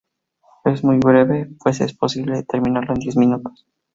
Es muy breve, pues es posible terminarlo en diez minutos.